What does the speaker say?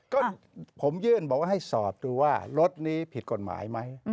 ก็ผมยื่นบอกว่าให้สอบดูว่ารถนี้ผิดกฎหมายไหม